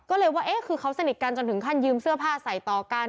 ก็เลยว่าเอ๊ะคือเขาสนิทกันจนถึงขั้นยืมเสื้อผ้าใส่ต่อกัน